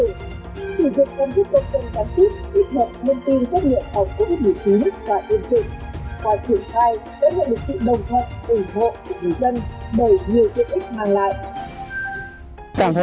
sử dụng công thức công tin cán chức ít mật thông tin xét nghiệm của úc một mươi chín và tiêm chủ